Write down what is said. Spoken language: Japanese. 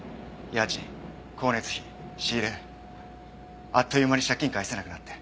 家賃光熱費仕入れあっという間に借金返せなくなって。